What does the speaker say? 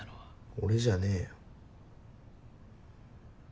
俺じゃねぇよ。